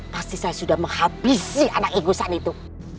pasti saya sudah menghabisi anak igusan itu